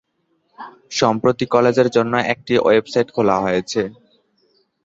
সম্প্রতি কলেজের জন্য একটি ওয়েবসাইট খোলা হয়েছে।